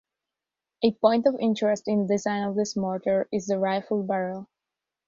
A point of interest in the design of this mortar is the rifled barrel.